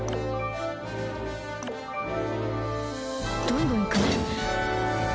どんどんいくね。